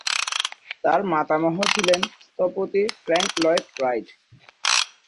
তার মাতামহ ছিলেন স্থপতি ফ্র্যাংক লয়েড রাইট।